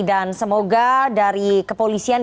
dan semoga dari kepolisian